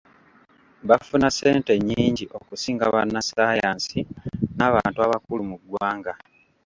Bafuna ssente nnyingi okusinga bannasayansi n'abantu abakulu mu ggwanga.